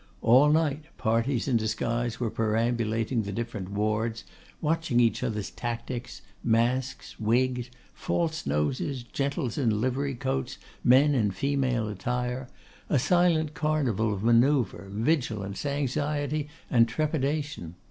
All night parties in disguise were perambulating the different wards, watching each other's tactics; masks, wigs, false noses, gentles in livery coats, men in female attire, a silent carnival of manoeuvre, vigilance, anxiety, and trepidation.